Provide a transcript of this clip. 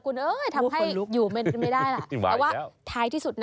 กูทำให้อยู่ไม่ได้หล่ะแบบว่าไท้ที่สุดนะ